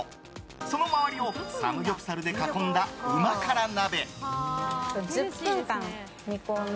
その周りをサムギョプサルで囲んだうま辛鍋。